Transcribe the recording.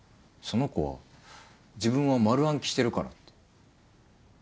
その子は自分は丸暗記してるからって。